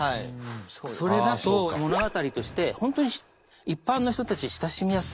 それだと物語として本当に一般の人たち親しみやすいですか。